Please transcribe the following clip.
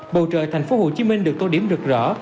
bầu trời thành phố hồ chí minh được tô điểm rực rỡ